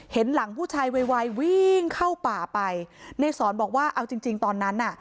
เห็นหลังผู้ชายไววิ่งเข้าป่าไปในสอนบอกว่าเอาจริงจริงตอนนั้นน่ะ